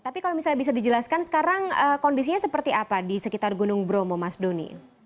tapi kalau misalnya bisa dijelaskan sekarang kondisinya seperti apa di sekitar gunung bromo mas doni